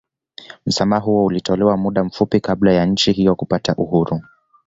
Msamaha huo ulitolewa muda mfupi kabla ya nchi hiyo kupata uhuru